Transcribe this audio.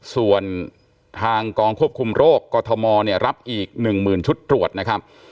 ส่วนทางกองควบคุมโรคกฎธมรับอีก๑หมื่นชุดตรวจนะครับ